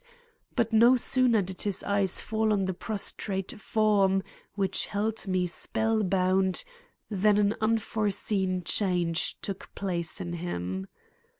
But no sooner did his eyes fall on the prostrate form which held me spellbound, than an unforeseen change took place in him.